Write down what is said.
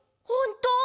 ほんと？